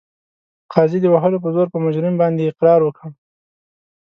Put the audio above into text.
قاضي د وهلو په زور په مجرم باندې اقرار وکړ.